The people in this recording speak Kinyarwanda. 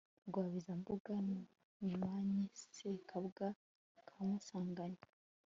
Rwabizambuga nimanye Sekabwa ka Musanganya